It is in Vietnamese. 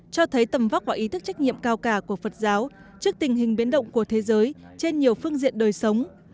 cho thấy tầm vóc và ý thức trách nhiệm cao cả của phật giáo trước tình hình biến động của thế giới trên nhiều phương diện đời sống